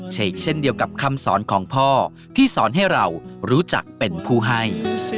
เชกเช่นเดียวกับคำสอนของพ่อที่สอนให้เรารู้จักเป็นผู้ให้